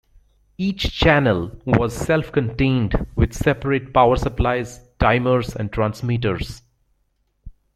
Each channel was self-contained with separate power supplies, timers, and transmitters.